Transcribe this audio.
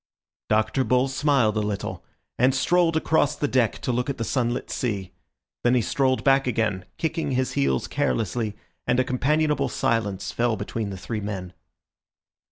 Dr. Bull smiled a little, and strolled across the deck to look at the sunlit sea. Then he strolled back again, kicking his heels carelessly, and a companionable silence fell between the three men.